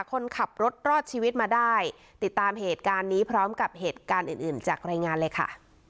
คนขับรถรอดชีวิตมาได้ติดตามเหตุการณ์นี้พร้อมกับเหตุการณ์อื่นอื่นจากรายงานเลยค่ะ